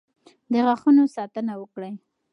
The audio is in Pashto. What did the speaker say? د غاښونو ساتنه وکړئ.